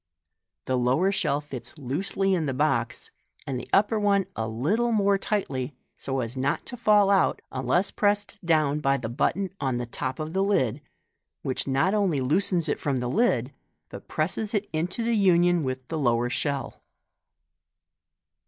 The lower shell tits loosely in the box, the upper one a little more tightly, so as not to fall out unless pressed down by the button on the top of the lid, which not only loosens it from the lid, but presses it into union with the lower shell.